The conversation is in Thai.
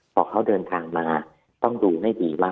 พอเขาเดินทางมา